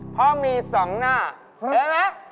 เพราะมี๒หน้าเห็นไหม